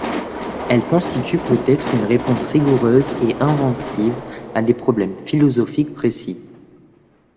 Elles constituent peut-être une réponse rigoureuse et inventive à des problèmes philosophiques précis.